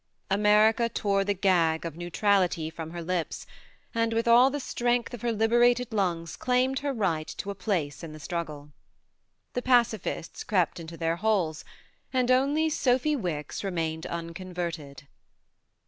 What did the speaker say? America tore the gag of neutrality from her lips, and with all the strength of her liberated lungs claimed her right to a place in the struggle. The pacifists crept into their holes, and only Sophy Wicks remained unconverted.